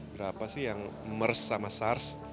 dua ribu berapa sih yang mers sama sars